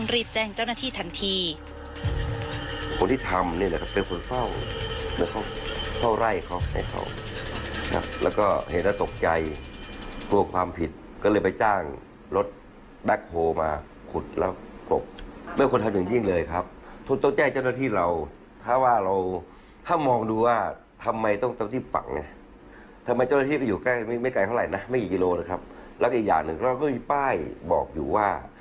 และอีกอย่างหนึ่งเราก็มีป้ายบอกอยู่ว่า